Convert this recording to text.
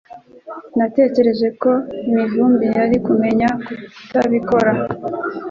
Natekereje ko Mivumbi yari kumenya kutabikora